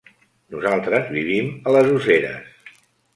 Nosaltres vivim a les Useres.